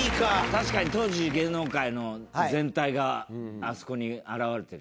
確かに当時芸能界の全体があそこに表れてる。